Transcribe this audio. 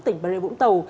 tỉnh bà rịa vũng tàu